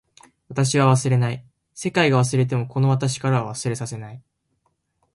私は忘れない。世界が忘れてもこの私からは忘れさせない。